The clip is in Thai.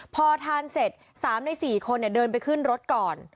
พอทานเสร็จ๓ใน๔คนเดินไปขึ้นรถก่อน